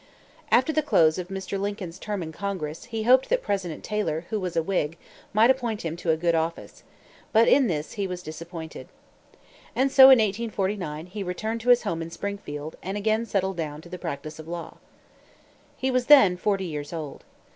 After the close of Mr. Lincoln's term in Congress, he hoped that President Taylor, who was a Whig, might appoint him to a good office. But in this he was disappointed. And so, in 1849, he returned to his home in Springfield, and again settled down to the practice of law. He was then forty years old.